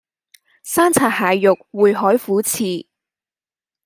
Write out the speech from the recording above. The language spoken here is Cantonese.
生拆蟹肉燴海虎翅